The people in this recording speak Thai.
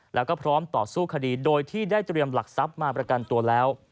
แล้วก็พร้อมต่อสู้คดีโดยที่ได้เตรียมหลักทรัพย์มาประกันตัวแล้ว